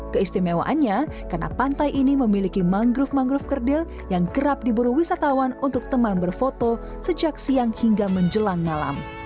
keistimewaannya karena pantai ini memiliki mangrove mangrove kerdil yang kerap diburu wisatawan untuk teman berfoto sejak siang hingga menjelang malam